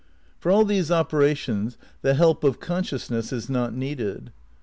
For all these operations the help of consciousness is not needed.